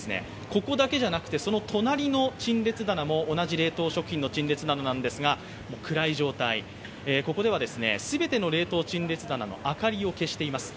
ここだけじゃなくてその隣の陳列棚も同じ冷凍食品の陳列棚なんですが暗い状態、ここでは全ての冷凍陳列棚の明かりを消しています。